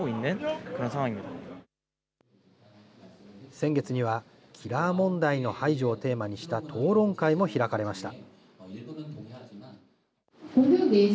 先月にはキラー問題の排除をテーマにした討論会も開かれました。